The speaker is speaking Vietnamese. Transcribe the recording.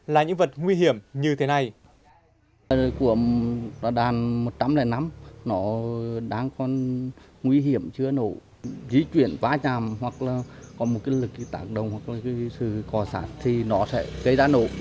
là những vật nguy hiểm như thế này